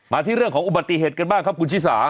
ที่เรื่องของอุบัติเหตุกันบ้างครับคุณชิสา